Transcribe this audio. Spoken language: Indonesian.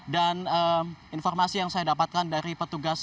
dan informasi yang saya dapatkan dari petugas